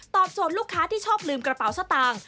ส่วนลูกค้าที่ชอบลืมกระเป๋าสตางค์